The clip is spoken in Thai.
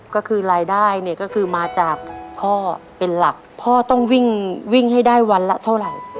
ก็คือรายได้เนี่ยก็คือมาจากพ่อเป็นหลักพ่อต้องวิ่งวิ่งให้ได้วันละเท่าไหร่